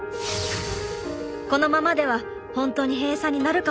このままでは本当に閉鎖になるかもしれない。